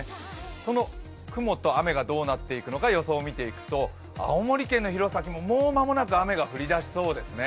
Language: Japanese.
この雲と雨がどうなっていくのか予想を見ていくと青森県の弘前ももう、間もなく雨が降りだしそうですね。